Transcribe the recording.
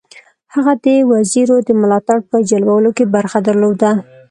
هغه د وزیرو د ملاتړ په جلبولو کې برخه درلوده.